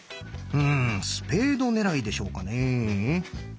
うんスペード狙いでしょうかね？